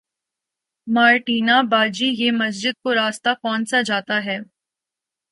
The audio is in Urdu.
مارٹینا باجی یہ مسجد کو راستہ کونسا جاتا ہے